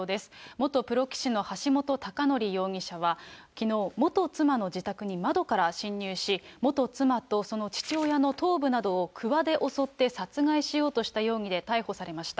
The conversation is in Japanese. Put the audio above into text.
元プロ棋士の橋本崇載容疑者は、きのう、元妻の自宅に窓から侵入し、元妻とその父親の頭部などをくわで襲って殺害しようとした容疑で逮捕されました。